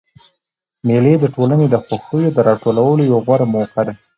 مېلې د ټولني د خوښیو د راټولولو یوه غوره موقع ده.